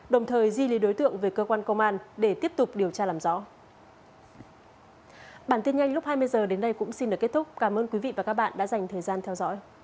đồng thời di lý đối tượng về cơ quan công an để tiếp tục điều tra làm rõ